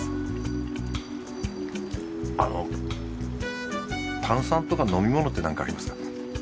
あの炭酸とか飲み物って何かありますか？